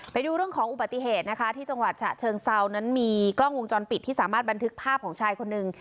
ไปดูเรื่องของอุบัติเหตุนะคะที่จังหวัดฉะเชิงเซานั้นมีกล้องวงจรปิดที่สามารถบันทึกภาพของชายคนหนึ่ง